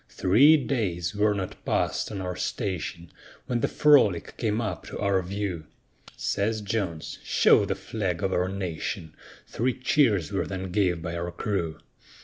Three days were not passed on our station, When the Frolic came up to our view; Says Jones, "Show the flag of our nation;" Three cheers were then gave by our crew.